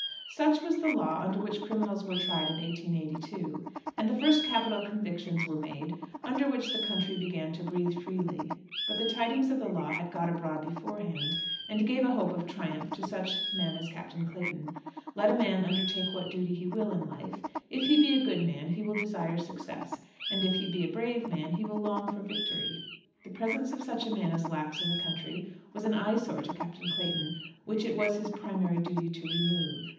Such was the law under which criminals were tried in 1882, and the first capital convictions were made under which the country began to breathe freely. But the tidings of the law had got abroad beforehand, and gave a hope of triumph to such men as Captain Clayton. Let a man undertake what duty he will in life, if he be a good man he will desire success; and if he be a brave man he will long for victory. The presence of such a man as Lax in the country was an eyesore to Captain Clayton, which it was his primary duty to remove.